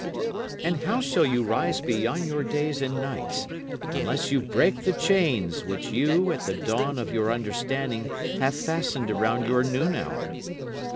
And how shall you rise beyond your days and nights unless you break the chains which you at the dawn of your understanding have fastened around your noon hour?